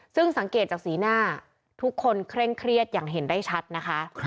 ซึ่งสังเกตจากสีหน้าทุกคนเคร่งเครียดอย่างเห็นได้ชัดนะคะ